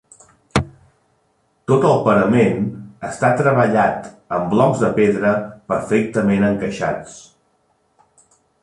Tot el parament està treballat amb blocs de pedra perfectament encaixats.